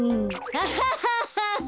アハハハハ！